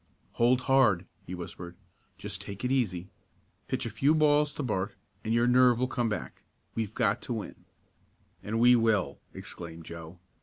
"Hold hard!" he whispered. "Just take it easy. Pitch a few balls to Bart and your nerve will come back. We've got to win." "And we will!" exclaimed Joe.